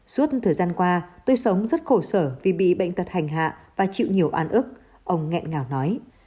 suốt thời gian qua tôi sống rất khổ sở vì bị bệnh tật hành hạ và chịu nhiều an ước ông nghẹn ngào nói